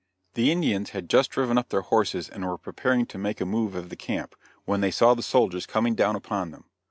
The Indians had just driven up their horses and were preparing to make a move of the camp, when they saw the soldiers coming down upon them.